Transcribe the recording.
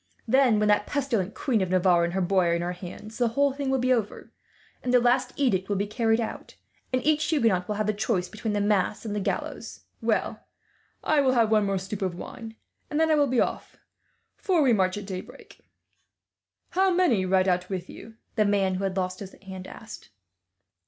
Then, when that pestilent Queen of Navarre and her boy are in our hands, the whole thing will be over; and the last edict will be carried out, and each Huguenot will have the choice between the mass and the gallows. "Well, I will have one more stoup of wine, and then I will be off, for we march at daybreak." "How many ride out with you?" the man who had lost his hand asked.